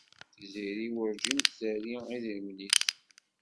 Tiziri werǧin d-terri idrimen-is.